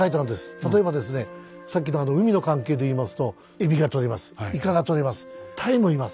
例えばですねさっきの海の関係で言いますとエビがとれます